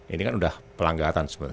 ini kan udah pelanggaran sebenarnya